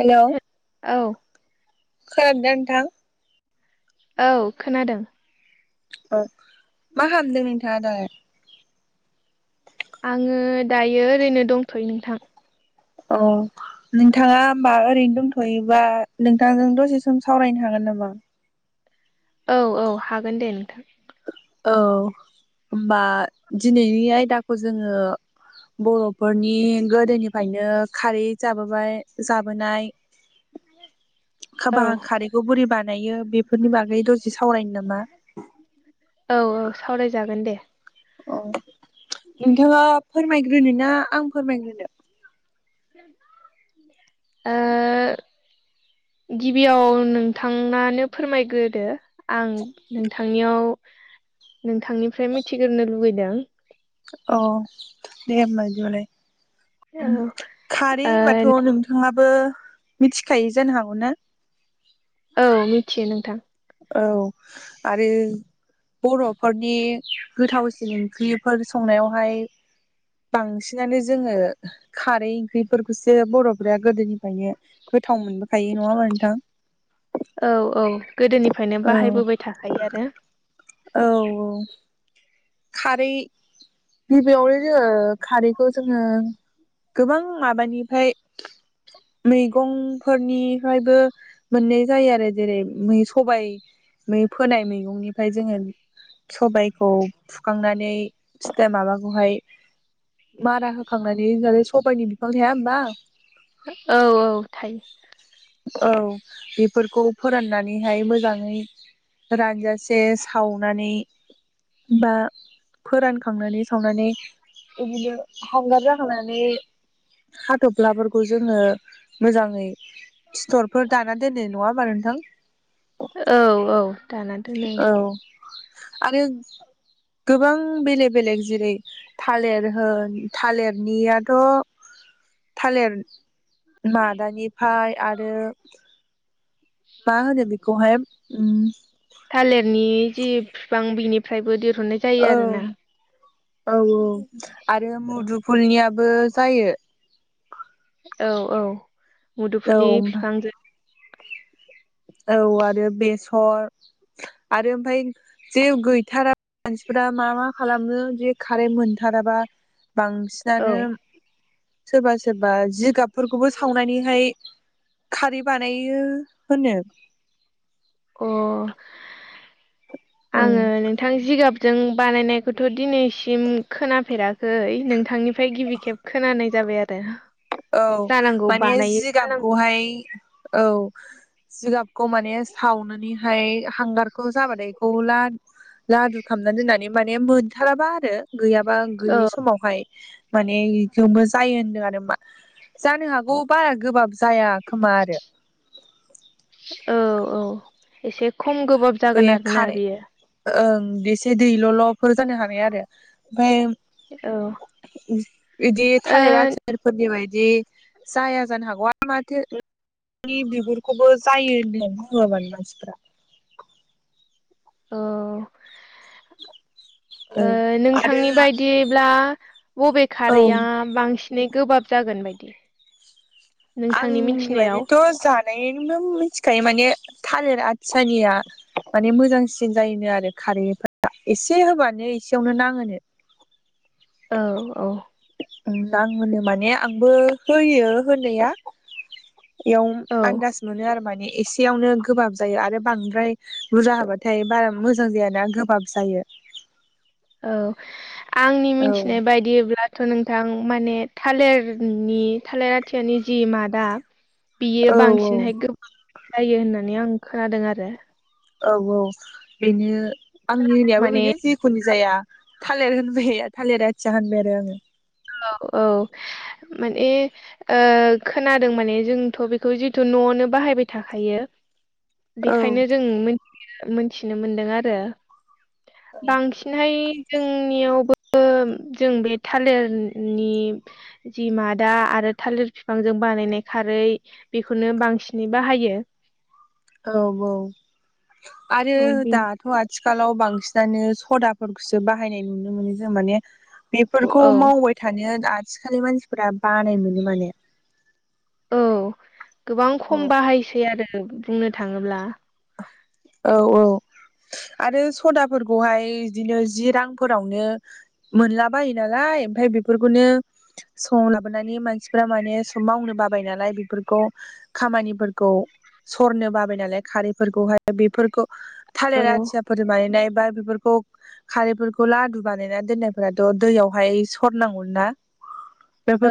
Hello औ खोनादों ना नोंथां? औ खोनादों। औ मा खालामदों नोंथाङा दालाय? आंङो दायो ओरैनो दंथ'यो नोंथां। औ नोंथाङा होमबा ओरैनो दंथ'योबा नोंथांजों दसे सम सावरायनो हागोन नामा? औ औ हागोन दे नोंथां। औ होनबा दिनैनि आयदाखौ जोंङो बर'फोरनि गोदोनिफ्रायनो खारै जाबोबाय जाबोनाय [inaudible] खाबा औ खारैखौ बोरै बानायो बेफोरनि बागै दसे सावरायनो नामा औ औ सावरायजागोन दे। अ नोंथाङा फोरमायग्रोनो ना आं फोरमायग्रोनो? ओ गिबियाव नोंथां आनो फोरमायग्रोदो। आं नोंथांनियाव नोंथांनिफ्राय मिथिग्रोनो लुुबैदों। औ दे होबा बिदिबालाय औ खारै होनबाथ' ओ नों नोंङाबो मिथिखायो जानो हागौना? औ मिथियो नोंथां। औ आरो बर'फोरनि गोथावसिन ओंख्रिफोर संनायावहाय बांसिनानो जोङो खारै ओंख्रिफोरखौसो बर'फोरा गोदोनिफ्रायनो गोथाव मोनबोखायो नङाबा नोंथां। औ औ गोदोनिफ्रायनो औ बाहायबोबाय थाखायो आरो औ औ खारै गिबियावनो जोङो खारैखौ जोङो गोबां माबानिफ्राय मैगंफोरनिफ्रायबो मोनननाय जायो आरो जेरैै सबायै फोनाय मैगंनिफ्राय जोङो सबायखौ फुखांनानै फिथा माबाखौहाय मारा होखांनानै सबायइनि बिफां थाया होमबा औ औ थायो। औ बेफोरखौ फोराननानैहाय मोजाङै रानजासे सावनानै बा फोरानखांनानै सावनानै बिदिदिनो हांगार जाहोनानै हाथब्लाफोरखौ जोङो मोजाङै सिथरफोर दाना दोननाय नङा होमबा नोंथां औ औ दाना दोनै औ आरो गोबां बेलेग बेलेग जेरै थालिर होन थालिरनियाथ' थालिर मादानिफ्राय आरो मा होनो बेखौहाय थालिरनि जि बिफां बिनिफ्रायबो दिर औ औ औ आरो औ मुदुफुलनियाबो जायो औ औ औ मुदुफुलनि बिफांजों औ आरो बेसर आरो ओमफ्राय जे गैथाराबा मानसिफ्रा मा मा खालामनो जे कारेन्ट मोनथाराबा बांसिनानो सोरबा सोरबा जिगाब फोरफोरखौबो सावनानैहाय खारै बानायो होनो अ औ आङो नोंथां जिगाबजों बानायनायखौथ' दिनैसिम खोनाफेराखै नोंथांनि ओमफ्राय गिबि खेब खोनानाय जाबाय आरो औ जानांगौ माने बानायो जानांगौ जिगाबखौहाय औ जिगाबखौ माने सावनानैहाय हांगारखौ जाबाथाय गला लादु खालामना दोननानै माने मोनथाराबा आरो गैयाबा गैयि औ समावहाय माने बेखौबो जायो होन्दों आरो मा जानो हागौ बारा गोबाब जाया खोमा आरो औ औ एसे खम गोबाब बे जागोन आरोना खारै बेयो ओं एसे दैल'ल'फोर जानो हानाय आरो औ ओमफ्राय बिदि ओ थालिर फोरनि बायदि जाया जानो हागौ माथो नि बिगुरखौबो जायो होननानै बुङोमोन मानसिफ्रा औ। [unintelligible] औ आरो नोंथांनि बायदिब्ला बबे औ खारैया बांसिन बिनो गोबाब जागोन बायदि नोंथांनि आंनि मिथिनायाव बायदिथ' जानायनो मिथिखायो माने थालिर आथियानिया माने मोजांसिन जायोनो आरो खारैफोरा एसे होबानो एसेयावनो नांहोनो औ औ नां होनो माने आंबो होयो होनाया इयाव औ आन्दास मोनो आरो माने एसेयावनो गोबाब जायो आरो बांद्राय बुरजा होबाथाय बारा मोजां जायाना गोबाब जायो औ आंनि औ मिथिनाय बायद दिब्लाथ' नोंथां माने थालेरनि थालेर आथियानि जि मादा [inaudible] बियो बांसिनहाय गोबाब जायो होननानै आं खोनादों आरो औ औ बेनो आंनि होनायाबो माने बेनो जि खुनि जाया थालेर होनबाय थालेर आथिया होनबाय आरो आङो औ औ माने ओ खोनादों माने जोंथ' बेखौ जिथु न'आवनो बाहायबाय थाखायो। आङो बेखायनो जों मोन [unintelligible] मोनथिनो मोनदों आरो बांसि [unintelligible] हाय जोंनियावबो जों बे थालेरनि जि मादा आरो थालिर फिफांजों बानायनाय खारै बेखौनो बांसिनै बाहायो। औ बौ आरो औ बे दा थ' आथिखालाव बांसिनानो सदाफोरखौसो बाहायनाय नुनो मोनो जों माने बेफोरखौ औ मावबाय थानो आथिखालनि मानसिफोरा बानाय मोनो माने औ गोबां औ खम बाहायसै आरो बुंनो थाङोब्ला औ औ आरो सदाफोरखौहाय इदिनो जि रांफोरावनो मोनला बायो नालाय ओमफाय बेफोरखौनो सम लाबोनानै मानसिफोरा माने [unintelligible] मावनो बाबाय नालाय बेफोरखौ खामानिफोरखौ सरनो बाबाय नालाय खारै फोरखौहाय बेफोरखौ औ थालेर आथियाफोर बानायनाय बा बेफोरखौ खारैफोरखौ लादु बानायना दोननायफोराथ' दैयावहाय सरनांगौ ना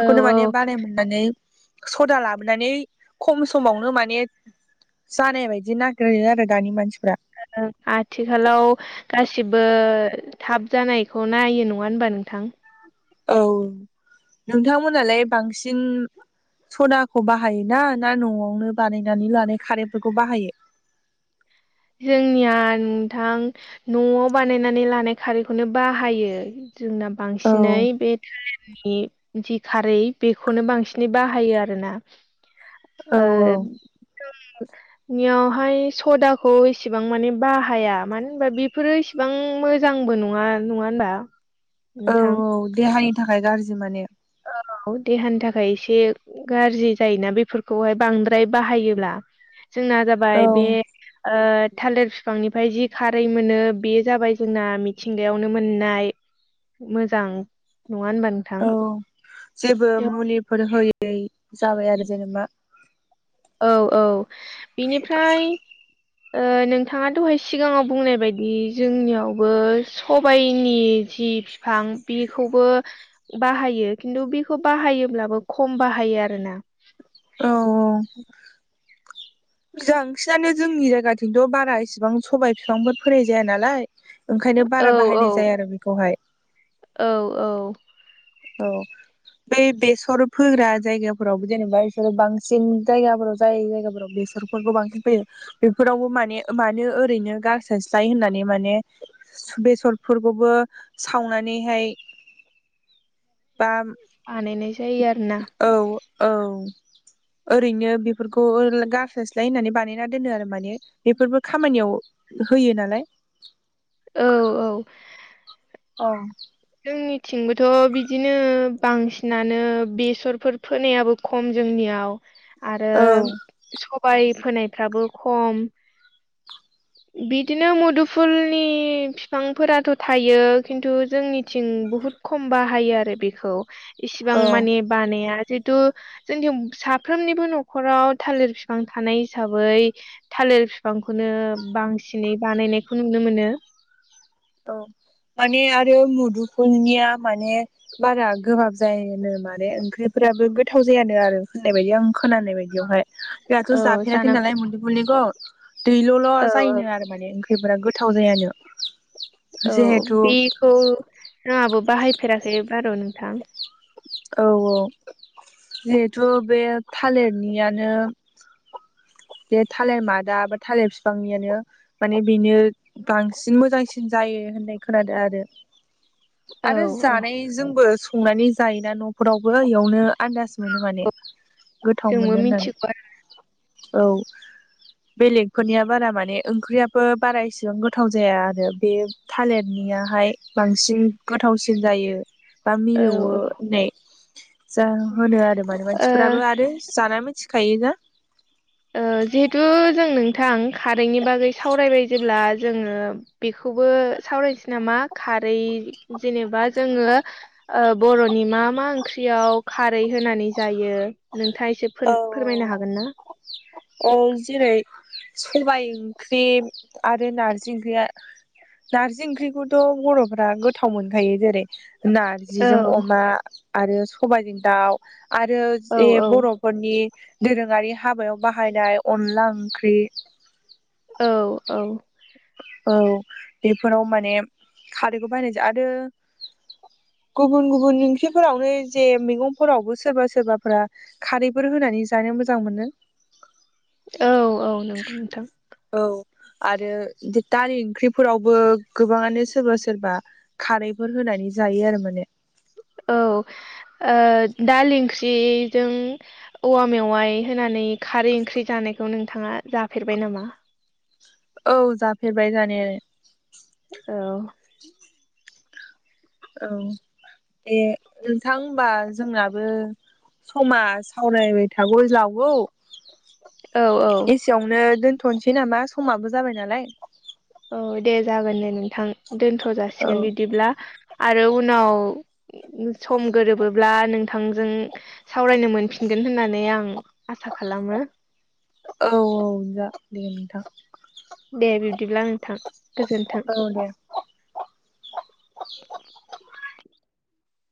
औ औ माने बानाय मोननानै सदा लाबोनानै खम समावनो माने जानाय बायदिना ग्रोयो आरो दानि मानसिफ्रा ओ आथिखालाव गासिबो थाब जानायखौ नायो नङा होनबा नोंथां औ नोंथांमोनालाय बांसिन सदाखौ बाहायनो ना ना न'आवनो बानायनानै लानाय खारैफोरखौ बाहायो जोंनिया नोंथां न'आव बानायनानै लानाय खारैखौनो बाहायो जोंना औ बांसिनै बे थालेरनि जि खारै बेखौनो बांसिनै बाहायो आरोना। औ ओ औ [unintelligible] नियावहाय सदा खौ इसेबां माने बाहाया मानो होनबा बेफोरो इसेबां मोजांबो नङा नङा होनबा औ नोंथां औ देहानि थाखाय गारजि माने औ देहानि थाखाय एसे गाज्रि जायोना बेफोरखौहाय बांद्राय बाहायोब्ला जोंना औ जाबाय बे ओ थालिर बिफांनिफ्राय जि खारै मोनो बे जाबाय जोंना मिथ मिथिंगायावनो मोननाय मोजां नङा होनबा नोंथां औ जेबो मुलिफोर होयै जाबाय आरो जेनेबा औ औ बिनिफ्राय ओ नोंथाङा दहाय सिगाङाव बुंनाय बायदि जोंनियावबो सबायनि जि बिफां बेखौबो बाहायो खिन्थु बेखौ बाहायोब्लाबो खम बाहायो आरो ना। औ औ बांसिनानो जोंनि जायगाथिंथ' बारा इसिबां सबाय बिफांफोर फोनाय जाया नालाय ओंखायनो औ बारा औ बाहायनाय जाया आरो बेखौहाय औ औ। औ बै बेसर फोग्रा जायगाफोरावबो जेनेबा बिसोरो बांसिन जायगाफोराव जाय जायगाफोराव बेसर फोरखौ बांसिन फैयो बेफोरावबो माने मानो ओरैनो गारसोस्लाय होननानै माने बेसरफोरखौबो सावनानैहाय बा बानायनाय जायो आरोना औ औ ओरैनो बेफोरखौ गारस्लायस्लाय होननानै बानायना दोनो आरो माने बेफोरबो खामानियाव होयो नालाय औ औ औ जोंनिथिंबोथ बिदिनो बांसिनानो बेसरफोर फोनायाबो खम जोंनियाव आरो औ सबाय फोनायफ्राबो खम बिदिनो मुदुफुलनि बिफांफोराथ थायो खिन्थु जोंनिथिं बुहुद खम बाहायो आरो बेखौ इसिबां माने बानाया जिहेतु जोंनिथिं साफ्रोमनिबो नखराव थालिर बिफां थानाय हिसाबै थालिर फिफांखौनो बांसिनै बानायनायखौ नुनो मोनो औ माने आरो मुदुफुलनिया माने बारा गोबाब जायो माने ओंख्रिफोराबो गोथाव जायानो आरो होननाय बायदि आं खोनानाय बायदि बेयावहाय जाहाथ औ जाफेराखै जानांगौ नालाय मुदुफुलनिखौ दैल'-ल' औ औ जायनो आरो माने ओंख्रिफोरा गोथाव जायानो औ जिहेथु बेखौ आंङाबो बाहायफेराखै बारु नोंथां औ औ जिहेथु बे थालिरनियानो बे थालिर मादा बा थालिर बिफांनियानो माने बेनो बांसिन मोजांसिन जायो होननाय खोनादों आरो औ आरो जानायजोंबो संनानै जायोना नफोरावबो इयावनो आन्दाज मोनो माने औ गोथाव जोंबो मोनो होनानै मिथिगौ औ बेलेगफोरनिया बारा माने ओंख्रियाबो बारा इसेबां गोथाव जाया आरो बे थालिरनियाहाय बांसिन गोथावसिन जायो बा मिलौयो आरो औ होननाय जा होनो आरो माने ओ मानसिफोराबो आरो जानाय मिथि खायोना ओ जिहेथु जों नोंथां खारैनि बागै सावरायबाय जेब्ला जोङो बेखौबो सावरायनोसै नामा खारै जेनेबा जोङो ओ बर'नि मा मा ओंख्रियाव खारै होनानै जायो नोंथांङा एसे औ फोर-फोरमायनो औ हागोन ना? औ जेरै सबाय ओंख्रि आरो नारजि ओंख्रिया नारजि ओंख्रिखौथ' बर'फ्रा गोथाव मोनखायो जेरै औ नारजिजों अमा आरो सबायजों दाउ आरो औ जे बर' फोरनि दोरोङारि हाबायाव बाहायनाय अनला ओंख्रि औ औ औ बेफोराव माने खारैखौ बायनायजों आरो गुबुन गुबुन ओंख्रिफोरावनो जे मैगंफोरावबो सोरबा सोरबाफोरा खारैफोर होनानै जानो मोजां मोनो औ औ नंगौ नोंथां औ आरो दालि ओंख्रिफोरावबो गोबाङानो सोरबा सोरबा खारैफोर होनानै जायो आरो माने औ ओ दालि ओंख्रिजों औवा मेवाइ होनानै खारै ओंख्रि जानायखौ नोंथाङा जाफेरबाय नामा? औ जाफेरबाय जानाया लाय। औ औ ए नोंथां होनबा जोंनाबो समा सावरायबाय थागौ जागौ औ औ एसेयावनो दोनथ'नोसै नामा समाबो जाबाय नालाय औ दे जागोन दे नोंथां दोनथ औ जासिगोन बिदिब्ला आरो उनाव सम गोरोबोब्ला नोंथांजों सावरायनो मोनफिनगोन होननानै आं आसा खालामो। औ औ जा दे नोंथां दे बिब्दिब्ला नोंथां गोजोन्थों। औ दे